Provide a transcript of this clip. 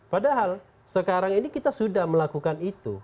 padahal sekarang ini kita sudah melakukan itu